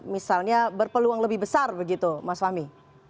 misalnya berpeluang lebih besar begitu mas fahmi